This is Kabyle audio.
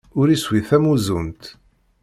Ur iswi tamuzzunt!